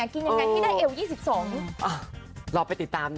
กินยังไงที่ได้เอว๒๒